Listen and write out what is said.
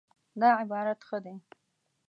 دا عبارت ښه دی